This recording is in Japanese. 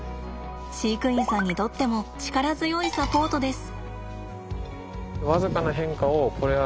飼育員さんにとっても力強いサポートです。